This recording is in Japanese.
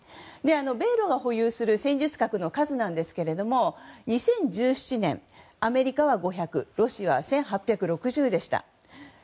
米露が保有する戦術核の数ですが２０１７年、アメリカは５００ロシアは１８６０でした。